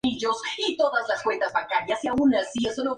Sin embargo, sigue siendo localmente común en ciertas áreas en Vietnam.